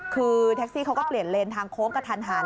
คือแท็กซี่เขาก็เปลี่ยนเลนทางโค้งกระทันหัน